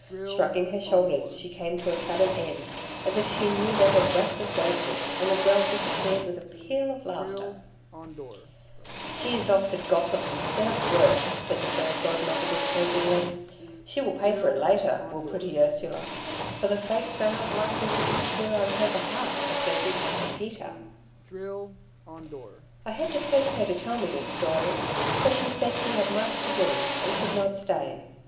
Shrugging her shoulders, she came to a sudden end, as if she knew that her breath was wasted, and the girl disappeared with a peal of laughter. "She is off to gossip instead of work," said the Fairy Godmother disapprovingly. "She will pay for it later, will pretty Ursula, for the Fates are not likely to interfere on her behalf as they did for Pepita." I had to coax her to tell me this story, for she said she had much to do, and could not stay.